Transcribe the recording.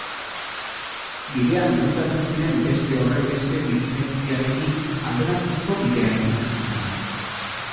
Bidean gurutzatzen ziren beste horrenbeste diligentziarekin, alderantzizko bidea egiten zutenak.